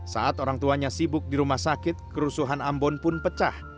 saat orang tuanya sibuk di rumah sakit kerusuhan ambon pun pecah